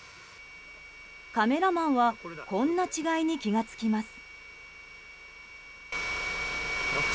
カメラマンはこんな違いに気が付きます。